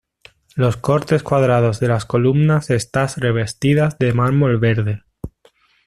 Los cortes cuadrados de las columnas estás revestidas de mármol verde.